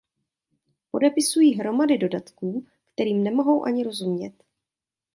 Podepisují hromady dodatků, kterým nemohou ani rozumět.